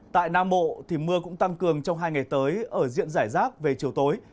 tại nam bộ mưa cũng tăng cường trong hai ngày tới ở diện rải rác về chiều tối